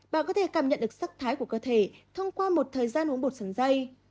bà có thể cảm nhận được sắc thái của cơ thể thông qua một thời gian uống bột sắn dây